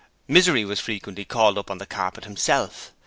Misery was frequently called 'up on the carpet' himself.